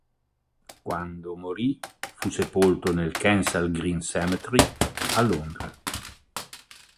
Quando morì, fu sepolto nel Kensal Green Cemetery a Londra.